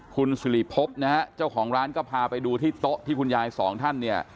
คุณสิริพบนะฮะเจ้าของร้านก็พาไปดูที่โต๊ะที่คุณยายสองท่านเนี่ย